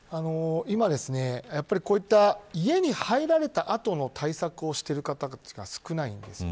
今、家に入られた後の対策をしている方たちが少ないんです。